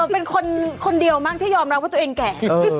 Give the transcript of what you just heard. เป็นคนเดียวมั้งที่ยอมรับว่าตัวเองแก่